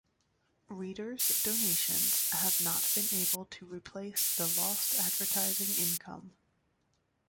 Readers donations have not been able to replace the lost advertising income.